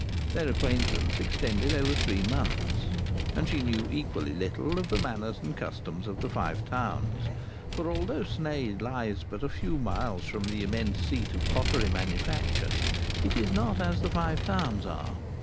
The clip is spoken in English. Their acquaintance extended over three months; And she knew equally little of the manners and customs of the Five Towns. For although Sneyd lies but a few miles from the immense seat of pottery manufacture, it is not as the Five Towns are.